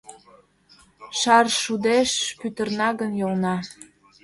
Шаршудеш пӱтырна гын йолна